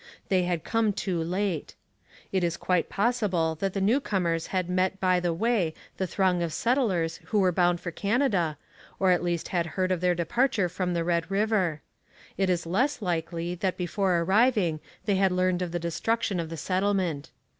They had come too late. It is quite possible that the newcomers had met by the way the throng of settlers who were bound for Canada, or at least had heard of their departure from the Red River. It is less likely that before arriving they had learned of the destruction of the settlement.